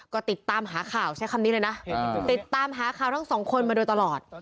ก็ติดตามหาข่าวใช้คำนี้เลยนะติดตามหาข่าวทั้งสองคนมาโดยตลอด